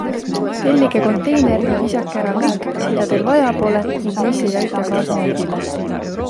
Tellige konteiner ja visake ära kõik, mida teil vaja pole ning mis ei aita kaasa müügile.